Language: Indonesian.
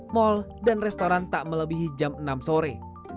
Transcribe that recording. mal dan restoran tak melebihi jam enam sore